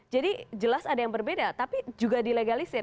jadi jelas ada yang berbeda tapi juga dilegalisir